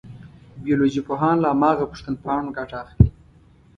بیولوژي پوهان له هماغه پوښتنپاڼو ګټه اخلي.